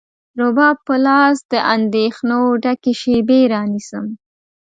رباب په لاس، د اندېښنو ډکې شیبې رانیسم